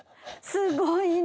すごいね。